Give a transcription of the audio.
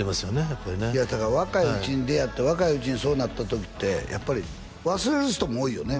やっぱりねいやだから若いうちに出会って若いうちにそうなった時ってやっぱり忘れる人も多いよね